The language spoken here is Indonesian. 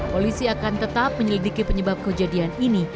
polisi akan tetap menyelidiki penyebab kejadian ini